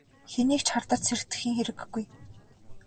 Хэнийг ч хардаж сэрдэхийн хэрэггүй.